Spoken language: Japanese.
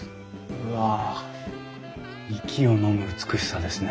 うわあ息をのむ美しさですね。